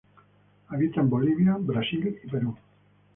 Habita en Bolivia, Brasil y Perú.